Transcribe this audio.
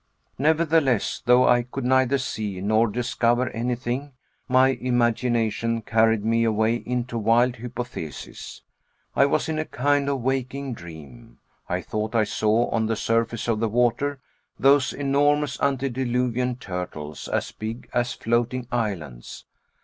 Nevertheless, though I could neither see nor discover anything, my imagination carried me away into wild hypotheses. I was in a kind of waking dream. I thought I saw on the surface of the water those enormous antediluvian turtles as big as floating islands.